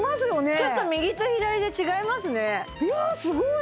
ちょっと右と左で違いますねいやすごい！